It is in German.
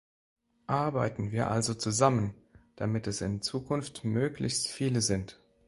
Arbeiten wir also zusammen, damit es in Zukunft möglichst viele sind.